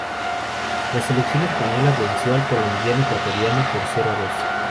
La selección española venció al combinado ecuatoriano por cero a dos.